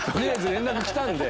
「連絡来たんで」